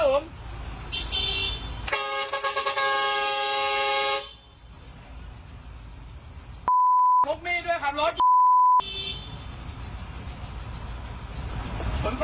โอ้โหหลังจากนั้นเกิดอะไรขึ้นเนี่ยไปดูคลิปกันก่อนเลยนะครับ